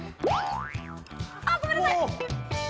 あっごめんなさい！